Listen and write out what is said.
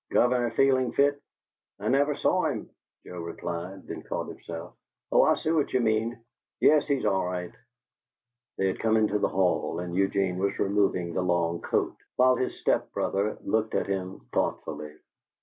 "Governor feeling fit?" "I never saw him," Joe replied; then caught himself. "Oh, I see what you mean! Yes, he's all right." They had come into the hall, and Eugene was removing the long coat, while his step brother looked at him thoughtfully.